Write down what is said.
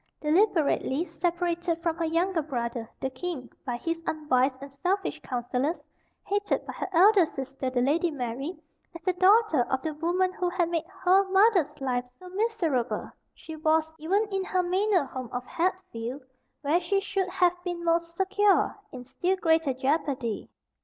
Deliberately separated from her younger brother, the king, by his unwise and selfish counsellors, hated by her elder sister, the Lady Mary, as the daughter of the woman who had made HER mother's life so miserable, she was, even in her manor home of Hatfield, where she should have been most secure, in still greater jeopardy.